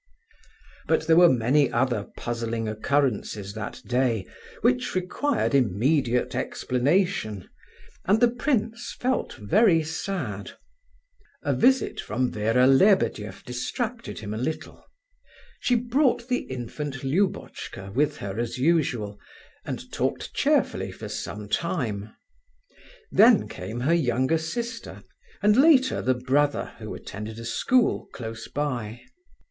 But there were many other puzzling occurrences that day, which required immediate explanation, and the prince felt very sad. A visit from Vera Lebedeff distracted him a little. She brought the infant Lubotchka with her as usual, and talked cheerfully for some time. Then came her younger sister, and later the brother, who attended a school close by.